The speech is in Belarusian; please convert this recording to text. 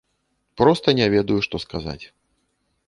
Проста не ведаю, што сказаць.